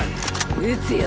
撃つよ！